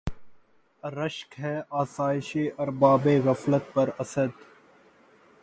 رشک ہے آسایشِ اربابِ غفلت پر اسد!